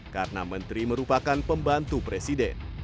karena menteri merupakan pembantu presiden